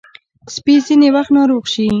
سپي ځینې وخت ناروغ شي.